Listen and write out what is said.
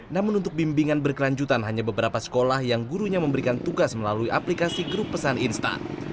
namun untuk bimbingan berkelanjutan hanya beberapa sekolah yang gurunya memberikan tugas melalui aplikasi grup pesan instan